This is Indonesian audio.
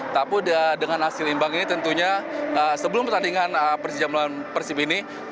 tapi dengan hasil imbang ini tentunya sebelum pertandingan persija melawan persib ini